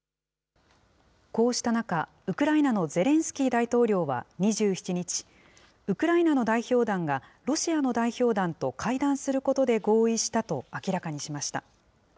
こうした中、ウクライナのゼレンスキー大統領は２７日、ウクライナの代表団がロシアの代表団と会談することで合意したと明らかにしました。